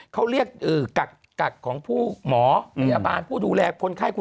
เขาเรียกกักของผู้หมอพยาบาลผู้ดูแลคนไข้